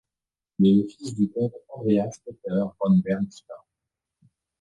Il est le fils du comte Andreas Peter von Bernstorff.